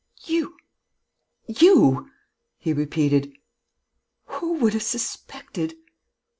"You ... you ...!" he repeated. "Who would have suspected